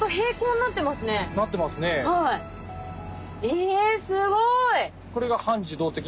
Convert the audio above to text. えすごい！